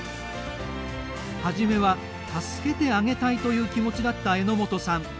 初めは「助けてあげたい」という気持ちだった榎本さん。